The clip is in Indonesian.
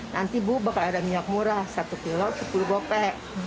nanti bu bakal ada minyak murah satu kilo sepuluh bopek